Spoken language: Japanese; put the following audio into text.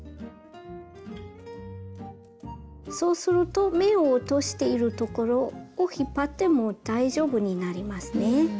そうすると目を落としているところを引っ張っても大丈夫になりますね。